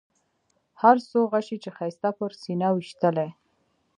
هر څو غشي چې ښایسته پر سینه ویشتلي.